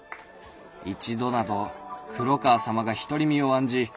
一度など黒川様がひとり身を案じ